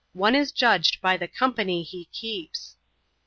One u judged by the Compttiy he keepe.